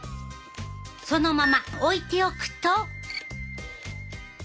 そのまま置いておくと。